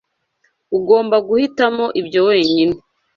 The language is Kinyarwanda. Ugomba guhitamo ibyo wenyine.